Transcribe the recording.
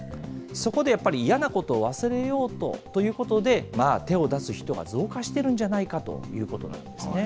そこでやっぱり嫌なことを忘れようと、手を出す人が増加しているんじゃないかということなんですね。